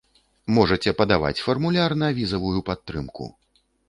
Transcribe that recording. Можаце падаваць фармуляр на візавую падтрымку!